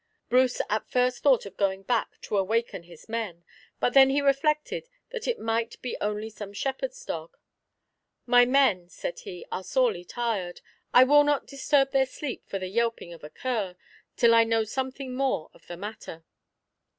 Bruce at first thought of going back to awaken his men; but then he reflected that it might be only some shepherd's dog. "My men," said he, "are sorely tired; I will not disturb their sleep for the yelping of a cur, till I know something more of the matter."